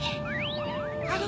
あれ？